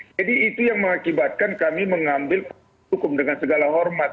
jadi itu yang mengakibatkan kami mengambil hukum dengan segala hormat